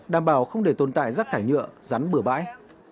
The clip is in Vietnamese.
đảm bảo không để tồn tại rác thải nhựa rắn bừa bãi